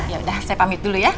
yaudah saya pamit dulu ya